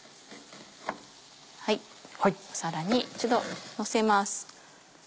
皿に一度のせます。